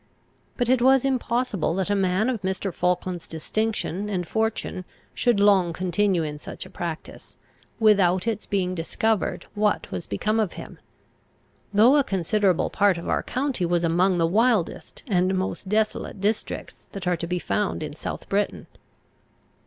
But it was impossible that a man of Mr. Falkland's distinction and fortune should long continue in such a practice, without its being discovered what was become of him; though a considerable part of our county was among the wildest and most desolate districts that are to be found in South Britain.